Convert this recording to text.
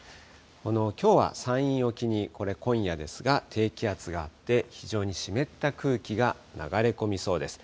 きょうは山陰沖に、これ今夜ですが、低気圧があって、非常に湿った空気が流れ込みそうです。